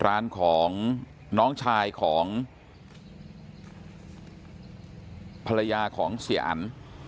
ร้านของน้องชายของภรรยาของเสียอัน